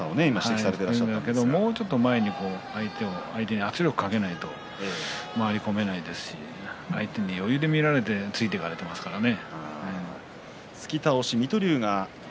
もうちょっと前に相手に圧力をかけないと回り込めないですし相手に余裕で見られて突いていかれていますからね。